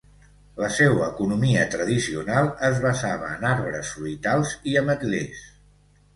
La seua economia tradicional es basava en arbres fruitals i ametlers.